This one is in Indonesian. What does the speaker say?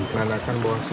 ini adalah penemuan fosil